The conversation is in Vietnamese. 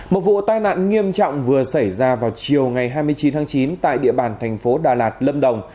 một vụ tai nạn nghiêm trọng vừa xảy ra vào chiều ngày hai mươi chín tháng chín tại địa bàn thành phố đà lạt lâm đồng